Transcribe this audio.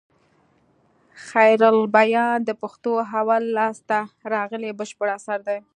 خيرالبيان د پښتو اول لاسته راغلى بشپړ اثر دئ.